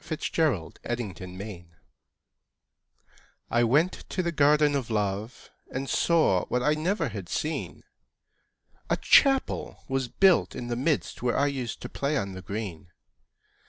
THE GARDEN OF LOVE I went to the Garden of Love, And saw what I never had seen; A Chapel was built in the midst, Where I used to play on the green.